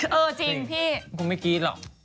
เออจริงพี่จริงคุณไม่กรี๊ดหรอก